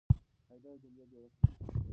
قاعده د جملې جوړښت سموي.